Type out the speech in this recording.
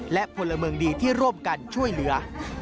และพลเมืองดีที่ร่วมกันช่วยเหลือ